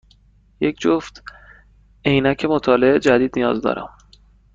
یک جفت عینک مطالعه جدید نیاز دارم.